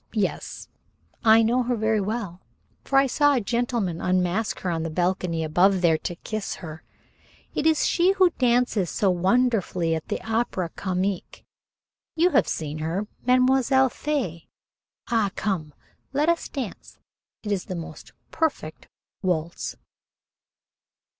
Yes, I know her very well, for I saw a gentleman unmask her on the balcony above there, to kiss her. It is she who dances so wonderfully at the Opéra Comique. You have seen her, Mademoiselle Fée. Ah, come. Let us dance. It is the most perfect waltz."